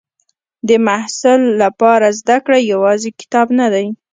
د محصل لپاره زده کړه یوازې کتاب نه ده.